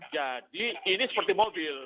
jadi ini seperti mobil